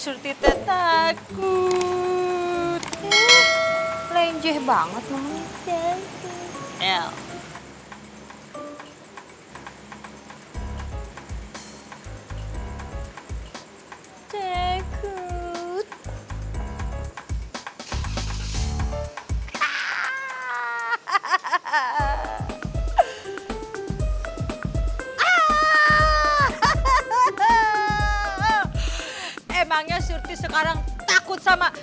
jadi kalau lo aneh aneh macem macem